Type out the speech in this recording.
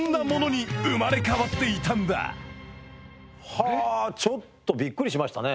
はあちょっとびっくりしましたね。